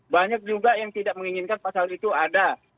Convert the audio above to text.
banyak juga yang tidak menginginkan pasal itu ada